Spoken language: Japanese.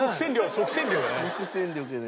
即戦力だね。